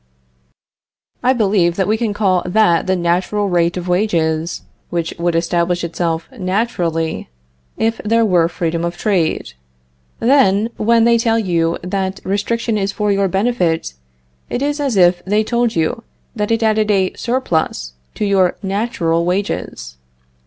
I believe that we can call that the natural rate of wages which would establish itself naturally if there were freedom of trade. Then, when they tell you that restriction is for your benefit, it is as if they told you that it added a surplus to your natural wages.